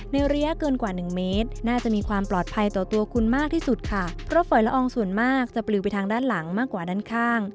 ระยะเกินกว่าหนึ่งเมตรน่าจะมีความปลอดภัยต่อตัวคุณมากที่สุดค่ะเพราะฝอยละอองส่วนมากจะปลิวไปทางด้านหลังมากกว่าด้านข้าง